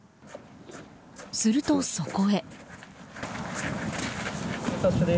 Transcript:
すると、そこへ。